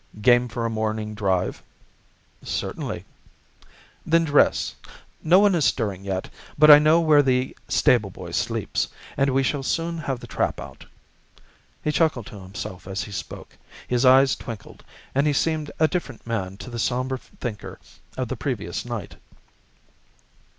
"Game for a morning drive?" "Certainly." "Then dress. No one is stirring yet, but I know where the stable boy sleeps, and we shall soon have the trap out." He chuckled to himself as he spoke, his eyes twinkled, and he seemed a different man to the sombre thinker of the previous night.